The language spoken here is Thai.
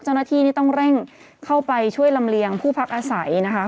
เจ้าหน้าที่นี่ต้องเร่งเข้าไปช่วยลำเลียงผู้พักอาศัยนะคะ